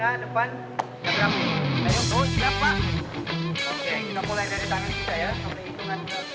gak nyangka saya disambut gini jadi gak enak